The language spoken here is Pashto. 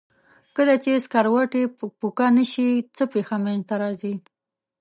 کله چې سکروټې پکه نه شي څه پېښه منځ ته راځي؟